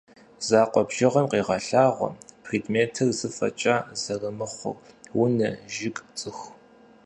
Закъуэ бжыгъэм къегъэлъагъуэ предметыр зы фӏэкӏа зэрымыхъур: унэ, жыг, цӏыху.